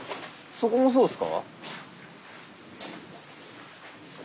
そこもそうですか？